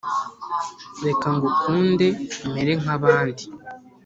Reka ngukunde mere nkabandi